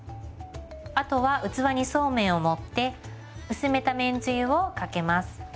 あとは器にそうめんを盛って薄めためんつゆをかけます。